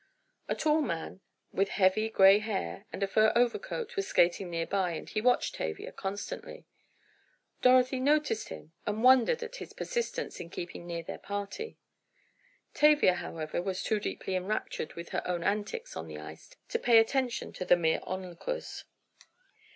A tall man, with heavy gray hair and a fur overcoat, was skating near by, and he watched Tavia constantly. Dorothy noticed him and wondered at his persistence in keeping near their party. Tavia, however, was too deeply enraptured with her own antics on the ice, to pay attention to the mere onlookers.